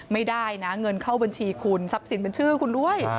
ไม่ได้นะเงินเข้าบัญชีคุณทรัพย์สินเป็นชื่อคุณด้วย